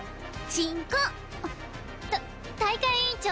進行た大会委員長